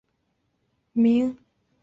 殿试登进士第三甲第一百六十名。